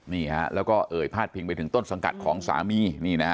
นี่ฮะแล้วก็เอ่ยพาดพิงไปถึงต้นสังกัดของสามี